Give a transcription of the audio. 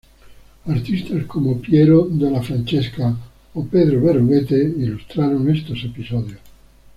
Artistas como Piero della Francesca o Pedro Berruguete ilustraron estos episodios.